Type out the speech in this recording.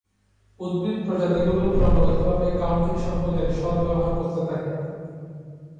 উদ্ভিদ-প্রজাতিগুলি ক্রমাগতভাবে কাউন্টির সম্পদের সদ্ব্যবহার করতে থাকে।